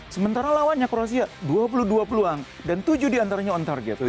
sementara lawannya kroasia dua puluh dua peluang dan tujuh diantaranya on target